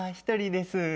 １人です。